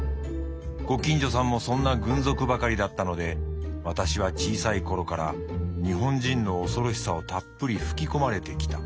ご近所さんもそんな軍属ばかりだったので私は小さいころから日本人の恐ろしさをたっぷり吹き込まれてきた。